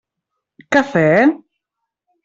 Cafè?